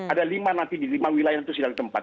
ada lima nanti di lima wilayah itu sudah ada tempat